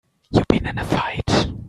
You been in a fight?